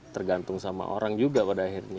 tergantung sama orang juga pada akhirnya